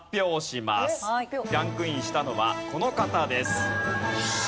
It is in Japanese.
ランクインしたのはこの方です。